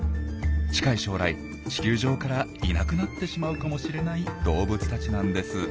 近い将来地球上からいなくなってしまうかもしれない動物たちなんです。